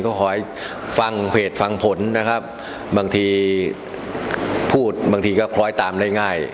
ก็ขอให้ฟังเพจฟังผลนะครับบางทีพูดบางทีก็คล้อยตามได้ง่าย